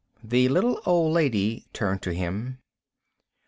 The little old lady turned to him.